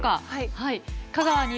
はい！